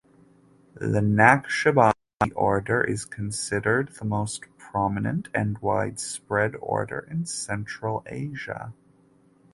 The Naqshbandi Order is considered the most prominent and widespread order in Central Asia.